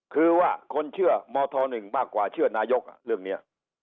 คือว่าคนเชื่อมธ๑มากกว่าเชื่อนายกเรื่องนี้